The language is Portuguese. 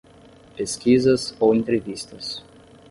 Pesquisas ou entrevistas.